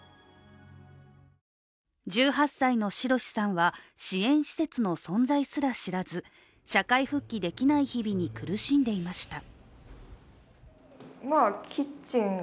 １８歳のしろしさんは支援施設の存在すら知らず社会復帰できない日々に苦しんでいました。